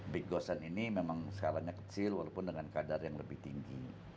big gosen ini memang skalanya kecil walaupun dengan kadar yang lebih tinggi